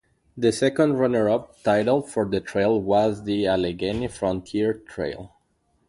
The second runner-up title for the trail was the "Allegheny Frontier Trail".